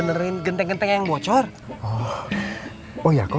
cilak cilak cilak cilak